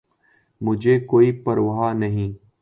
!مجھے کوئ پرواہ نہیں